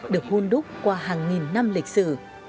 được hôn đúc qua hàng nghìn năm lịch sử